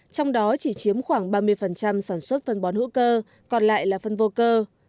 trong đó chỉ chiếm khoảng ba mươi sản xuất phân bón hữu cơ còn lại là phân vô cơ